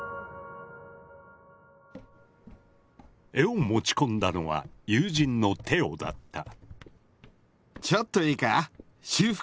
絵を持ち込んだのは友人のテオだった。